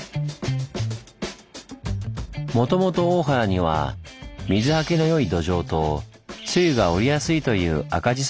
もともと大原には「水はけのよい土壌」と「露が降りやすい」という赤じ